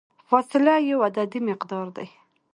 فاصله یو عددي مقدار دی.